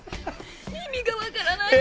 意味がわからない！